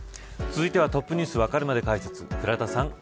続いては、Ｔｏｐｎｅｗｓわかるまで解説。